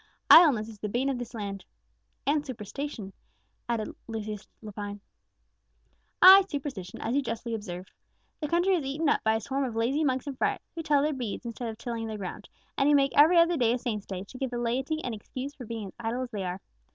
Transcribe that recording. Idleness is the bane of this land." "And superstition," added Lucius Lepine. "Ay, superstition, as you justly observe. The country is eaten up by a swarm of lazy monks and friars, who tell their beads instead of tilling their ground, and who make every other day a saint's day, to give the laity an excuse for being as idle as they are.